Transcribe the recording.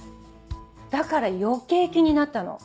だから余計気になったの。